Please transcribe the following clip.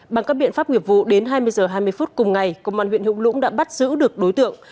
bằng các biện pháp nghiệp vụ đến hai mươi h hai mươi phút cùng ngày công an huyện hữu lũng đã bắt giữ được đối tượng